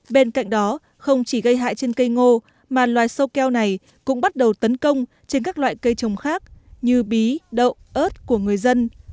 bên cạnh đó không chỉ gây hại trên cây ngô mà loài sâu keo này cũng bắt đầu tấn công trên các loại cây trồng khác như bí đậu ớt của người dân